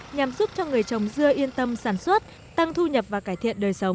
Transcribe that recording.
nhằm giúp cho người trồng dưa yên tâm sản xuất tăng thu nhập và cải thiện đời sống